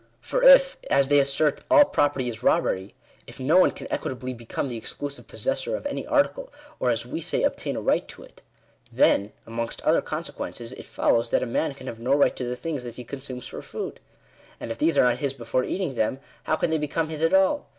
For if, as they assert, " all property is robbery "— if no one can equitably become the exclusive possessor of any article — or as we say, obtain a right to it, then, amongst other consequences, it follows, that a man can have no right to the things he consumes for food. And if these are not his before eating them, how can they become his at all